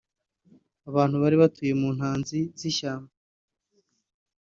Abantu bari batuye mu ntanzi z’ishyamba